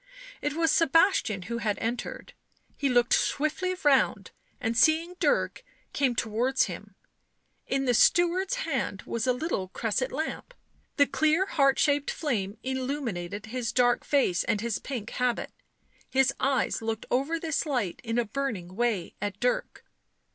It was Sebastian who had entered ; he looked swiftly round, and seeing Dirk, came towards him. In the steward's hand was a little cresset lamp ; the clear, heart shaped flame illuminated his dark face and his pink habit ; his eyes looked over this light in a burning way at Dirk.